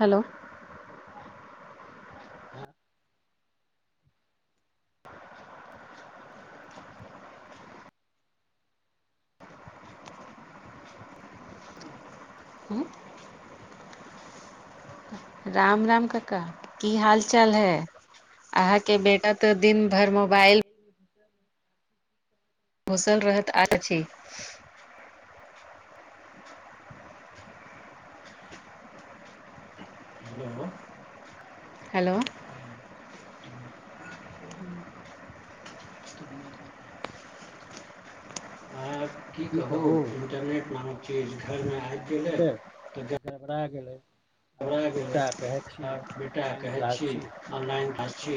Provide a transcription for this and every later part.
hello [inaudible] हम्म, राम राम कका की हाल चाल है अहाँके बेटा तऽ दिन भरि मोबाइल चलू घुसल रहत आ छी हेलो हेलो आ की कहू इंटरनेट न चीज घर मे आबि गेलै तऽ गड़बड़ा गेल हमरा बेटा ऑनलाइन कहैत क्लास छी मुदा ऑनलाइन हम क्लास देखै छी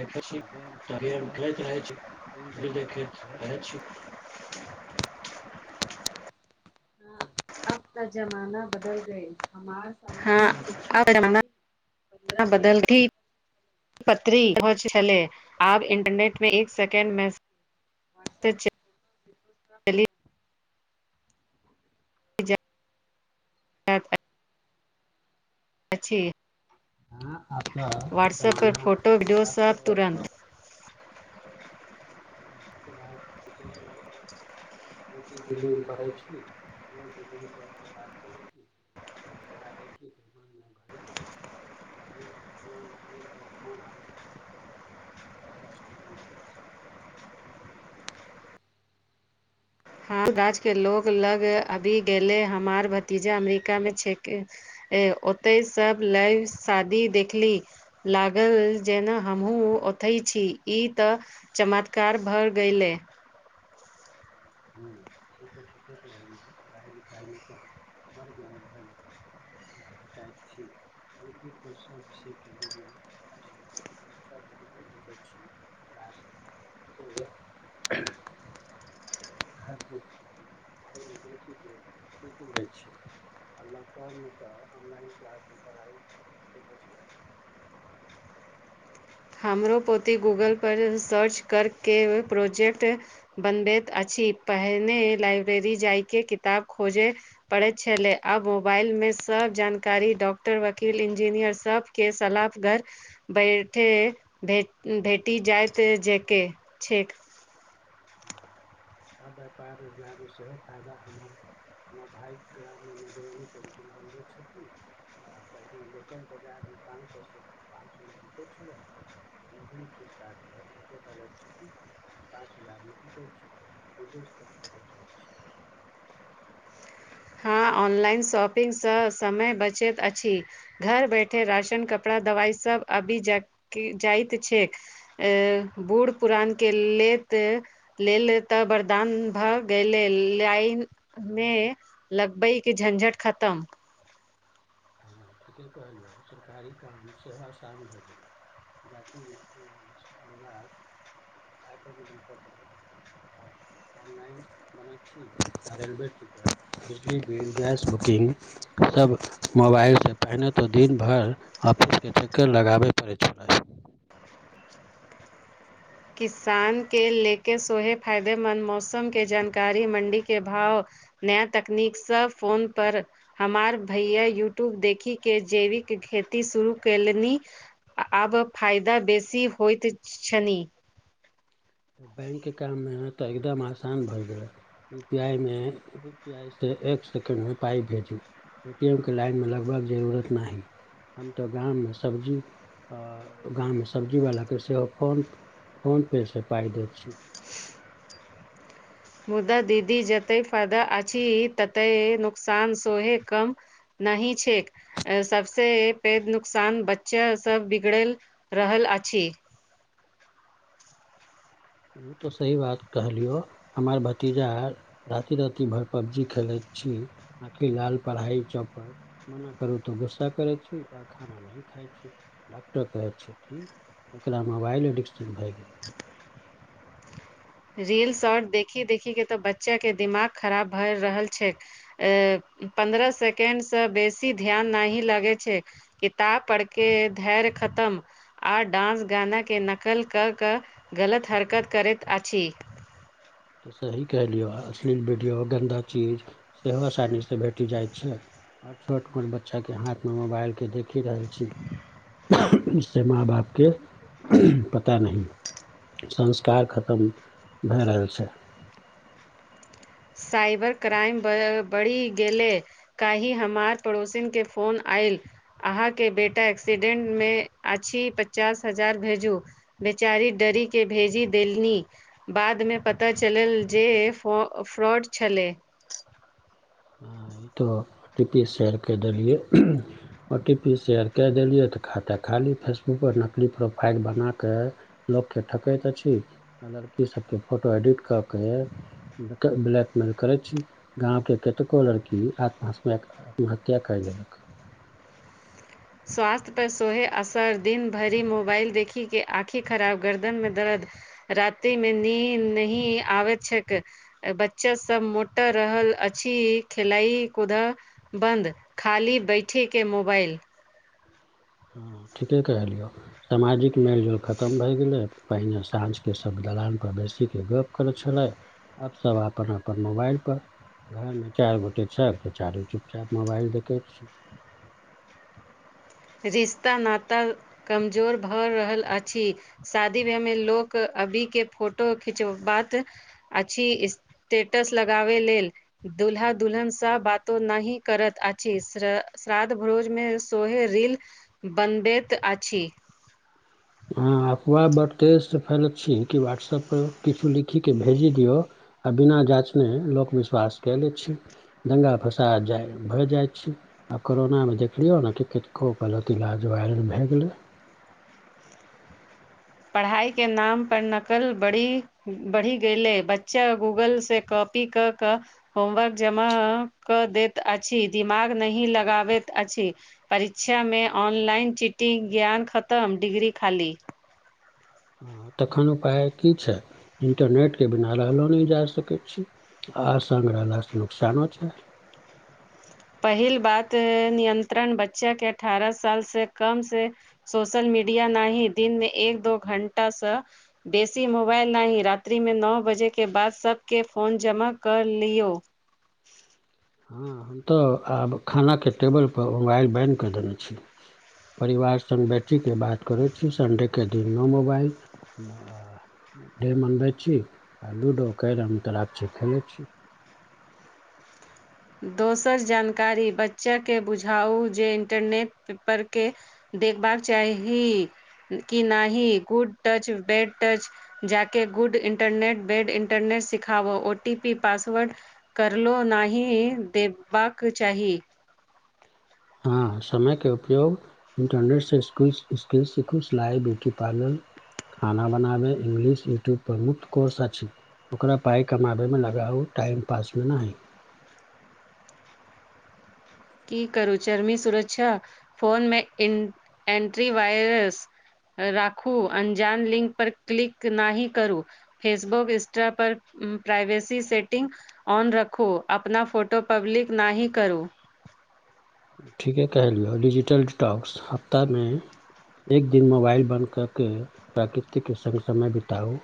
देखैत छी तऽ गेम तऽ गेम रहै खेलैत छी रहैत छी देखैत रहैत छी ह अब तऽ ज़माना बदल गेल हमरा हँ समयमे चि्ठी आब जमाना पतरी बदल ठीक पत्री पहुच छलै आब इन्टरनेटमे एक सेकंड मैसे त चलि [unintelligible] अछ हा त [unintelligible] अछि हँ आब तऽ व्हाट्सऐप पर जमाना फोटो वीडियो आब सब तऽ तुरन्त [unintelligible] हँ ई तऽ बात ठीको छैै बेटी दी पढ़ै छी रोज विडियो कॉल पर बात करै छी ओकर चेहरा देखी तन न घल जाइ छै पहिले तऽ महिना मे एक बेर फोन आएल छै ह स्थिर ह राजछ के लोग लग अभी गेलले हमार भतीजा अमरीकामे छैके ओते सब लइ शादी देखली लागल जेना हमहुँ ओथै छी ई तऽ चमत्कार भऽ गेलै हँ से तऽ ठीके कहलियौ पढ़ाइ लिखाइमे तऽ बड़ मदद भेल भेटैत छी यूट्यूबपर सब विषयके वीडियो अछि बच्चा जे नहि बुझै छी क्लासमे से घर देखि घरमे देखिके सीखि लै छै आ लॉकडाउनमे तऽ ऑनलाइन क्लासमे पढ़ाइ से बचलै हमरो पोती गूगलपर सर्च करके प्रोजेक्ट बनबैत अछि पहिने लाइब्रेरी जाइके किताब खोजे पड़ैत छलै आब मोबाइलमे सब जानकारी डाक्टर वकील इंजीनियर सबके सलाह घर बैठे भे भेटी जायइत जेके छै [unintelligible] आ व्यापार रोजगारमे सेहो फायदा हमर हमरा भाइ ग्राममे मधुबनी पेंटिंग बनबैत छथिन लोकल बाजार मे पाँच स पाँच सए मे बिकैत छलैक फ्ड पर फोटोटलज छै पाँच हजार में बिकैत छै विदेश तक फोटो जाइत छैक हँ ऑनलाइन शॉपिंगसँ समय बचैत अछि घर बैठे राशन कपड़ा दवाई सभ आबि जाइत छै बूढ़ पुुरान केँ लेल लेल तऽ वरदान भऽ गेलय लगबईकेँ झञझट खतम हँ ठीके कहलियौ सरकारी काम सेवा शान भए गेलै जाति निवास आ प्रमाण पत्र ऑनलाइन बनैत छी रेल टिकट बिजली बिल गैस बि सब मोबाइल से पहिने तऽ दिन भरि ऑफिसकेँ चक्कर लगाबय पड़ैत छलैक किसान कें लेके सोहे फायदेमन्द मौसमकेँ जानकारी मण्डी केँ भाव नया तकनीकसं फोन पर हमार भैया युटुब देखी केँ जैविक खेती शुरू केलनि आब फायदा बेसी होइत छनि बैंक केँ काम मे त एकदम आसान भए गेल यूपीआई मे यूपीआई से एक सेकंड मे पाइ भेजू एटीएम केँ लाइन मे लगबाक जरूरत नहि हम त गाममे अ सब्जी गाममे सब्जीवला केँ सेहो फोन फोन पे सँ पाइ दैत छी मुदा दीदी जते फायदा अछि तते नुकसान सोहे कम नहि छैक सबसे पैघ नुकसान बच्चा सब बिगैड़ल रहल अछि [inaudible] उ तो सही बात कहलियो हमार भतीजा आर राति रति भर पबजी खेले छी आखि लाल पढ़ाई चौप मना करु तो गुस्सा करे छी और खाना नहि खाई छी डॉक्टर कहैत छथिन एकरा मोबाइल एडिक्शन भए गेलय रील शॉर्ट देखी देखिकेँ त बच्चाकेँ दिमाग खराब भए रहल छैक पन्द्रह सेकेंडस बेसी ध्यान नहि लगैत छै किताब पढ़केँ धैर खतम आर डांस गाना केँ नकल क क गलत हरकत करैत अ छी त सही कहलियौ अश्लील वीडियो गन्दा चीज सेहो आसानीसँ भेट जाइत छैक आ छोटकुन बच्चाकेँ हाथमे मोबाइलकेँ देखि रहल छी उसे माँ बापके पता नहि संस्कार खतम भए रहल छै साइबर क्राइम बढ़ि गेलय काहि हमार पड़ोसीन केँ फोन आइ अहाँकेँ बेटा एक्सीडेंट मे अछि पचास हजार भेजू बेच चारी डरी केँ भेजी देलनि बादमे पता चलल जे फ फ फ्रॉड छलै त टी पी शेयर क देलियै ओ टी पी शेयर कए देलियै त खाता ख खाली फेसबुक पर नकली प्रोफाइल बनाकेँ लोककेँ ठकैत अछि लड़की सब केँ फोटो एडिट क केँ ब्लैकमेल करे छी गांव केँ कतेको लड़की आत्महत्या आत्महत्या कय लेलक स्वास्थ्य पर सोहे असर दिन भरि मोबाइल देखि केँ आँखि खराब गर्दन मे दरद रातिमे नीन नहि आबैत छैक बच्चा सब मोटा रहल अछि खेलाइ कुद बन्द खाली बैठे केँ मोबाइल ह ठीके कहलियौ समाजिक मेलजोल खतम भए गेले पहिने साँझ केँ सब दलान पर बैसकेँ गप करैत छलै आब सब अपन अपन मोबाइल पर घरमे चारि गोटे छ त चारू चुपचाप मोबाइल देखैत छी [inaudible] रिश्ता नाता कमजोर भऽ रहल अछि शादी ब्यामे लोक अभी के फोटो खिचबाक अछि स्टेटस लगाबै लेल दुल्हा दुल्हन सँ बातो नहि करत अछि श्र श्रादध भोज मे सोहे रील बनबैत अछि हँ अफवाह बड केस फैल छी कि वाटसप पर किछु लिखिक के भेजि दिऔ आ बिना जाँचने लोक विश्वास के लैत छी दंगा फसाद भए जाएत छै आ ओना मे देखलियो ने कि कतो गलत इलाजल भए गेलै [unintelligible] [inaudible] पढ़ाई के नाम पर नकल बरी बढ़ी गेलै बच्चा गूगल से कप पी कऽ कऽ होमवर्क जमा क दैत अछि दिमाग नहि लगाबैत अछि छि परीछा मे ऑनलाइन चिटिंग ज्ञान खतम डिग्री खाली हँ तखन उपाय की छै इन्टरनेटके बिना रहलो नहि जा सकैत छी आ संग्रहालय से नुकसानो छै [inaudible] पहिल बात नियंत्रण बच्चा के अठारह साल से कम से सोशल मीडिया न दिनमे एक दो घंटा सँ बेसी मोबाइल नहि रात्रि मे नओ बजे के बाद सबके फोन जमा कऽ लियौ हँ हम तऽ आब खानाके टेबलपर मोबाइल बैन कऽ देने छी परिवार संग बैठी के बात करैत छी संडेके दिनो मोबाइल डे मनबै छी आ लूडो कैरम अन्तराक्षी खेलै छी दोसर जानकारी बच्चा के बुझाउ जे इंटरनेट पेपर के देखबाक चाही की नहि ही गुड टच बेैड टच जाके गुड इंटरनेट बेैड इंटरनेट सिखाबो ओ टी पी पासवर्ड कर लो नहि देबाक चाही हँ समय के उपयोग इंटरनेट से स स्किल सिखू सिलाई ब्यूटी पार्लर खाना बनाबे इंगलिश यूट्यूब प्रमुुख कोर्स अछि ओकरा पाइ कमाबयमे लगाउ टाइम पासमे नहि की करू चर्मी सुरक्षा फोनमे ए एन्ट्री वायरस राखू अंजान लिंक पर क्लिक नाहि करू फेसबुक इंस्टा पर प्राइवेसी सेटिंग ऑन रखू अपना फोटो पब्लिक नाहि करू [inaudible] ठीके कहलियौ डिजिटल डिटॉक्स हफ्तामे एक दिन मोबाइल बन्द कके प्राकृतिके संग समय बिताउ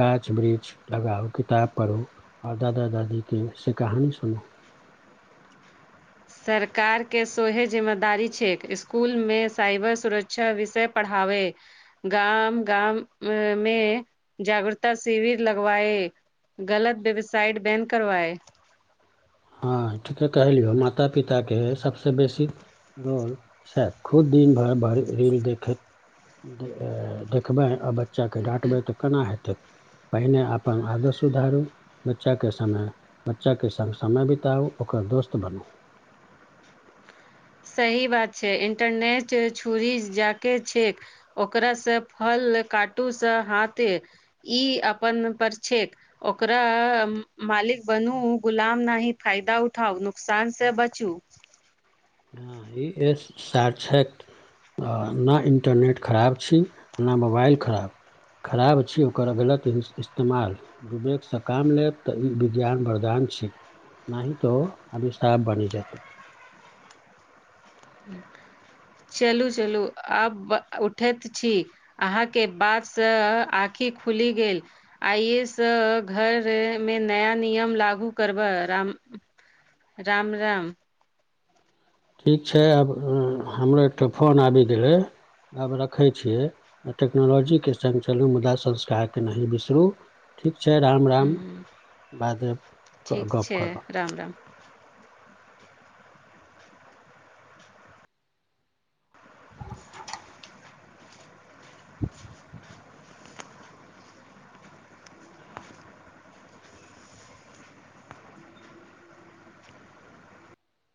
गाछ वृक्ष लगाउ किताब पढ़ू आओर दादा दादी के से कहानी सुनू [inaudible] सरकारके सोहे जिम्मेदारी छै इसकुलमे साइबर सुरक्षा विषय पढ़ाबै गाम गाममे जागरूकता शिविर लगवाए गलत वेबसाइट बैन करवाए हँ ठीके कहलियौ माता पिताके सभसँ बेसी रोल छै खूब दिन भरि रील देखैत देखबै आ बच्चाकेँ डाँटबै तऽ केना हेतै पहिने अपन आदर सुधारू बच्चा केँ समय बच्चा के समय बिताउ ओकर दोस्त बनू सही बात छै इंटरनेट छुरी जाके छै ओकरासँ फल का टू से हाथे ई अपन पर छैेक ओकरा मालिक बनू गुलाम नहि फायदा उठाउ नुकसान से बचू हँ ई एस साक्षक आ ने इन्टरनेट खराब छी न मोबाइल खराब खराब छी ओकर गलत इस्तेमाल विवेकसँ काम लेब तऽ ई विज्ञान वरदान छी नाहि त अभिशाप बनी जायत चलू चलू आब उठैत छी अहाँके बातसँ आखिर खुली गेल आइएसँ घरमे नया नियम लागू करबै राम राम राम ठीक छै आब हमरो एकटा फोन आबि गेलै आब रखय छियै आ टेक्नोलॉजीके सङ्ग चलू मुदा संस्कारके नहिँ बिसरू ठीक छै राम राम हम्म, बादमे ठीक गप छै करब राम राम [inaudible]